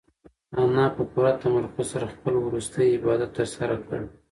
انا په پوره تمرکز سره خپل وروستی عبادت ترسره کړ.